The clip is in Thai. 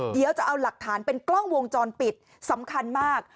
เดี๋ยวจะเอาหลักฐานเป็นกล้องวงจรปิดสำคัญมาก